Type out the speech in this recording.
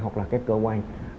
hoặc là các cơ quan